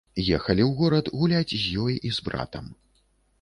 Ехалі ў горад гуляць з ёй і з братам.